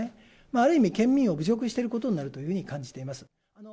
ある意味、県民を侮辱していることになるというふうに感じています。